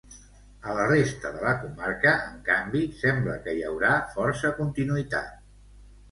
A la resta de la comarca, en canvi, sembla que hi haurà força continuïtat.